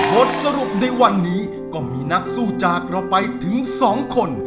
บทสรุปในวันนี้ก็มีนักสู้จากเราไปถึง๒คน